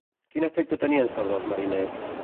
Quin efecte tenien sobre els mariners?